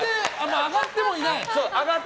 上がってもない。